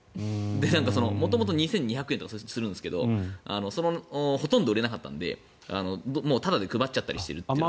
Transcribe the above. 元々２２００円とかするんですけどほとんど売れなかったのでもうタダで配っちゃったりしてると。